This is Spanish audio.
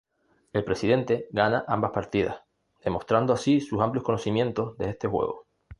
El presidente gana ambas partidas, demostrando así sus amplios conocimientos de este juego.